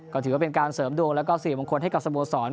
ก็ถือว่าเป็นการเสริมดวงแล้วก็สิริมงคลให้กับสโมสร